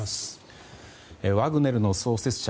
ワグネルの創設者